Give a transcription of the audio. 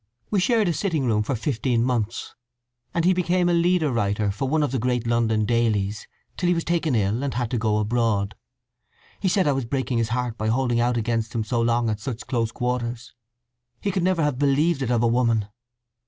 We shared a sitting room for fifteen months; and he became a leader writer for one of the great London dailies; till he was taken ill, and had to go abroad. He said I was breaking his heart by holding out against him so long at such close quarters; he could never have believed it of woman.